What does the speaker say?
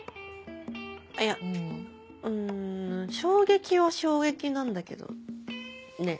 あいやうん衝撃は衝撃なんだけど。ねぇ。